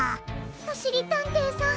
おしりたんていさん